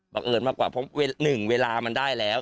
เอิญมากกว่าเพราะหนึ่งเวลามันได้แล้ว